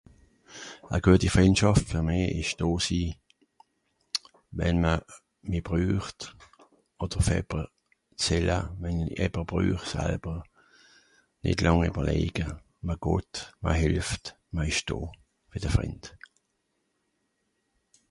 E gueti Frìndschàft fer mì ìsch do sii, wenn m'r mi brücht, odder uff ebber zähle wenn i äbber brüch salber, nitt làng eberlege, ma got, ma hìlft ìsch do, mìt de Frìnd.